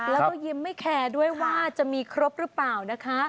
แล้วก็ยิ้มไม่แคร์ด้วยว่าจะมีครบหรือเปล่านะคะ